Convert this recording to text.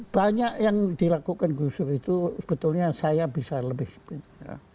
banyak yang dilakukan gusdur itu sebetulnya saya bisa lebih pinter